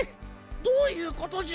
どういうことじゃ？